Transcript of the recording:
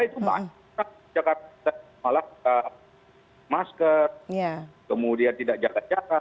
itu masker kemudian tidak jaga jaga